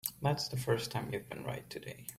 That's the first time you've been right today.